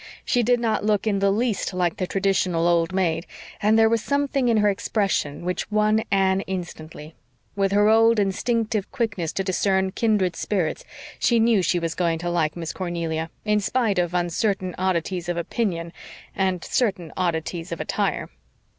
She did not look in the least like the traditional old maid, and there was something in her expression which won Anne instantly. With her old instinctive quickness to discern kindred spirits she knew she was going to like Miss Cornelia, in spite of uncertain oddities of opinion, and certain oddities of attire.